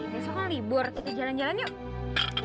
besok kan libur kita jalan jalan yuk